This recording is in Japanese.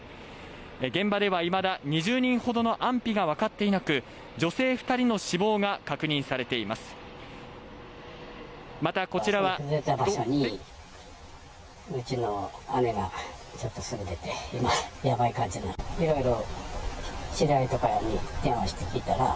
現場では、いまだ２０人ほどの安否が分かっていなく、女性２人の死亡が確認されています。